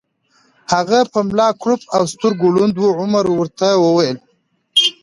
هغه په ملا کړوپ او سترګو ړوند و، عمر ورته وویل: